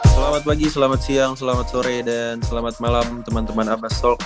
selamat pagi selamat siang selamat sore dan selamat malam teman teman avastalk